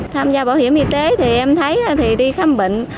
tham gia bảo hiểm y tế thì em thấy thì đi khám bệnh